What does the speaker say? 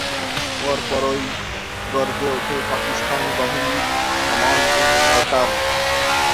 পরপরই গর্জে ওঠে পাকিস্তানি বাহিনীর কামান ও মর্টার।